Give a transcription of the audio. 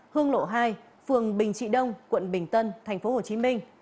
hương lộ hai phường bình trị đông quận bình tân thành phố hồ chí minh